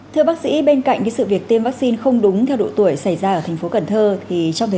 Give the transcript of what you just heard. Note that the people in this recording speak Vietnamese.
thưa bác sĩ bên cạnh cái sự việc tiêm vaccine không đúng theo độ tuổi xảy ra ở thành phố cần thơ